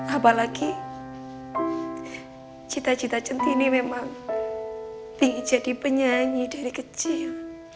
apalagi cita cita centini memang jadi penyanyi dari kecil